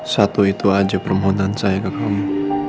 satu itu aja permohonan saya ke kamu